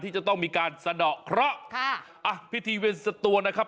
จะต้องมีการสะดอกเคราะห์ค่ะอ่ะพิธีเวนสตวงนะครับ